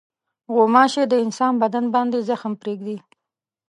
غوماشې د انسان بدن باندې زخم پرېږدي.